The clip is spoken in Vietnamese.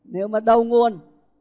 nếu mà đầu nguồn